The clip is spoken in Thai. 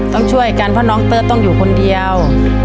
ต้องช่วยกันเพราะน้องเตอร์ต้องอยู่คนเดียว